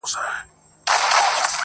ځوان ناست دی.